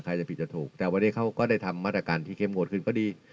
จะผิดจะถูกแต่วันนี้เขาก็ได้ทำมาตรการที่เข้มงวดขึ้นก็ดี